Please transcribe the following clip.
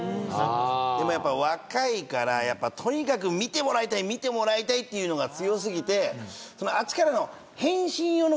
でもやっぱ若いからとにかく見てもらいたい見てもらいたいっていうのが強過ぎてあっちからの。